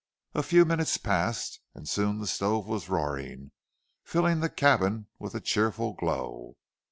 A few minutes passed, and soon the stove was roaring, filling the cabin with a cheerful glow.